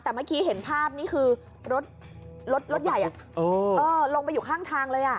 แต่เมื่อกี้เห็นภาพนี่คือรถรถใหญ่ลงไปอยู่ข้างทางเลย